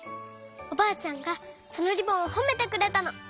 おばあちゃんがそのリボンをほめてくれたの。